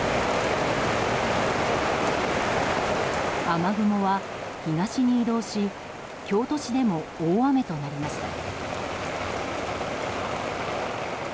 雨雲は東に移動し京都市でも大雨となりました。